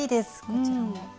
こちらも。